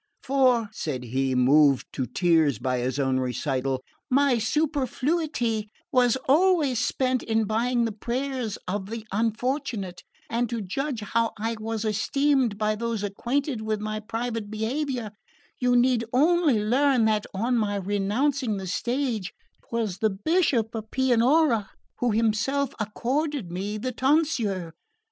For," said he, moved to tears by his own recital, "my superfluity was always spent in buying the prayers of the unfortunate, and to judge how I was esteemed by those acquainted with my private behaviour you need only learn that, on my renouncing the stage, 'twas the Bishop of Pianura who himself accorded me the tonsure."